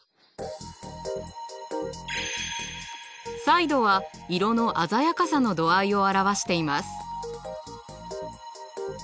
彩度は色の鮮やかさの度合いを表しています。